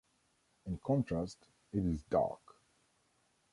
In contrast, it is dark.